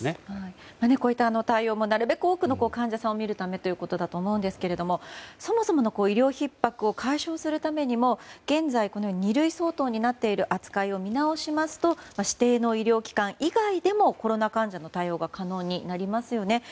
こういった対応もなるべく多くの患者さんを診るためということだと思うんですがそもそも医療ひっ迫を解消するためにも現在、２類相当になっている扱いを見直しますと指定の医療機関以外でもコロナ患者の対応が可能になりますよね。